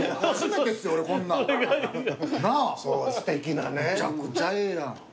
めちゃくちゃええやん。